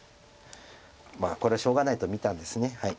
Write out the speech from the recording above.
まあこれはしょうがないと見たんです。